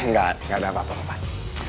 enggak enggak ada apa apa pak